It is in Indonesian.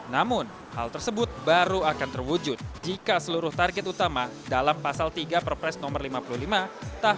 namun hal tersebut baru akan terwujud jika seluruh target utama dalam pasal tiga perpres nomor lima puluh lima tahun dua ribu sembilan belas sudah dipenuhi oleh pemerintah